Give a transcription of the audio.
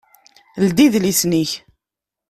Ldi idlisen-ik!